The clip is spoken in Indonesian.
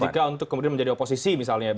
jika untuk menjadi oposisi